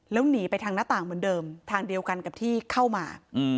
แล้วหนีไปทางหน้าต่างเหมือนเดิมทางเดียวกันกับที่เข้ามา